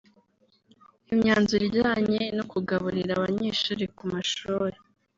Imyanzuro ijyanye no kugaburira abanyeshuri ku mashuri